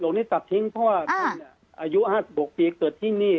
นี้ตัดทิ้งเพราะว่าท่านอายุ๕๖ปีเกิดที่นี่